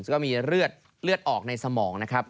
ซึ่งก็มีเลือดออกในสมองนะครับ